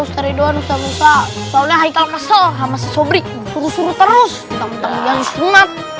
ustaz ridwan usah usah soalnya hai kalau masalah masih sobrik suruh suruh terus tentang yang sumat